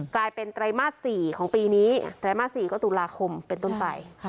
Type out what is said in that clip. ไตรมาส๔ของปีนี้ไตรมาส๔ก็ตุลาคมเป็นต้นไป